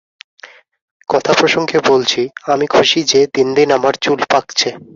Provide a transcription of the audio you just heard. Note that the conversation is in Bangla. কথাপ্রসঙ্গে বলছি, আমি খুশী যে, দিনদিন আমার চুল পাকছে।